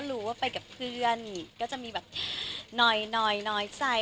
รู้ว่าไปกับเพื่อนก็จะมีแบบหน่อยน้อยใจ